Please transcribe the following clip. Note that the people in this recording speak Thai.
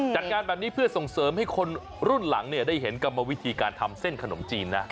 จัดการแบบนี้เพื่อส่งเสริมให้คนรุ่นหลังได้เห็นกรรมวิธีการทำเส้นขนมจีนนะ